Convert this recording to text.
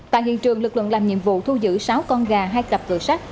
tại hiện trường lực lượng làm nhiệm vụ thu giữ sáu con gà hai cặp cửa sắt